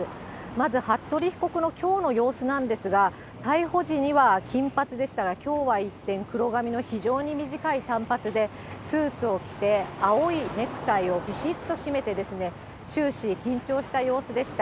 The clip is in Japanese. まず服部被告のきょうの様子なんですが、逮捕時には金髪でしたが、きょうは一転、黒髪の非常に短い短髪で、スーツを着て、青いネクタイをびしっとしめて、終始緊張した様子でした。